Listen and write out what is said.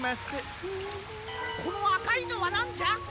このあかいのはなんじゃ？